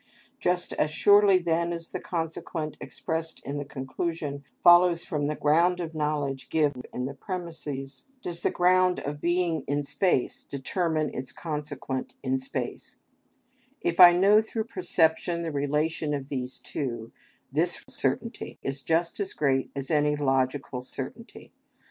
Just as surely then as the consequent expressed in the conclusion follows from the ground of knowledge given in the premises, does the ground of being in space determine its consequent in space: if I know through perception the relation of these two, this certainty is just as great as any logical certainty.